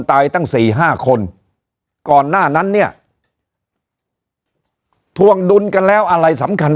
ตั้งสี่ห้าคนก่อนหน้านั้นเนี่ยทวงดุลกันแล้วอะไรสำคัญ